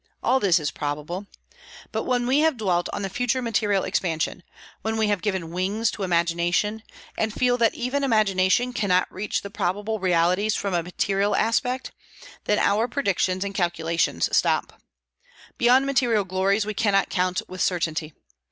All this is probable. But when we have dwelt on the future material expansion; when we have given wings to imagination, and feel that even imagination cannot reach the probable realities in a material aspect, then our predictions and calculations stop. Beyond material glories we cannot count with certainty.